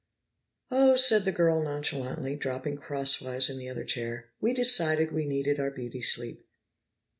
"Oh," said the girl nonchalantly, dropping crosswise in the other chair, "we decided we needed our beauty sleep."